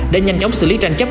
để nhanh chóng xử lý tranh chấp